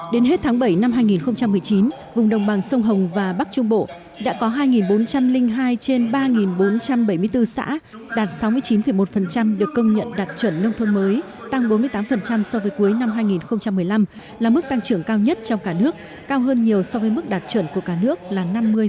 đến hết tháng bảy năm hai nghìn một mươi chín vùng đồng bằng sông hồng và bắc trung bộ đã có hai bốn trăm linh hai trên ba bốn trăm bảy mươi bốn xã đạt sáu mươi chín một được công nhận đạt chuẩn nông thôn mới tăng bốn mươi tám so với cuối năm hai nghìn một mươi năm là mức tăng trưởng cao nhất trong cả nước cao hơn nhiều so với mức đạt chuẩn của cả nước là năm mươi